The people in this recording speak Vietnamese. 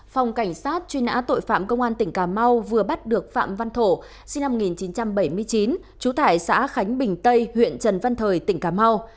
phòng cảnh sát truy nã tội phạm công an tỉnh cà mau vừa bắt được phạm văn thổ sinh năm một nghìn chín trăm bảy mươi chín trú tại xã khánh bình tây huyện trần văn thời tỉnh cà mau